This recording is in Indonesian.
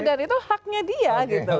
dan itu haknya dia gitu